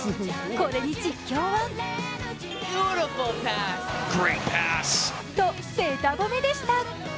これに実況はとべた褒めでした。